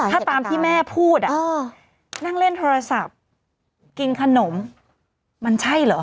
ถ้าตามที่แม่พูดนั่งเล่นโทรศัพท์กินขนมมันใช่เหรอ